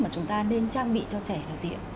mà chúng ta nên trang bị cho trẻ là gì ạ